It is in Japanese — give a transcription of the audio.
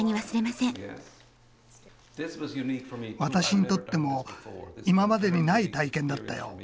私にとっても今までにない体験だったよ。